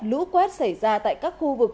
lũ quét xảy ra tại các khu vực